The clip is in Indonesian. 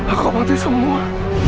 aku mati semua